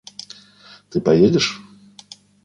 Ты поедешь?.